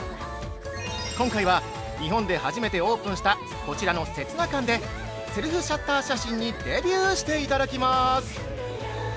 今回は、日本で初めてオープンしたこちらの「刹那館」でセルフシャッター写真にデビューしていただきます。